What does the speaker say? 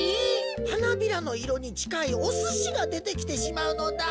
はなびらのいろにちかいおすしがでてきてしまうのだ。